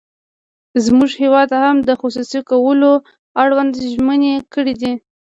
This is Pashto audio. زموږ هېواد هم د خصوصي کولو اړوند ژمنې کړې دي.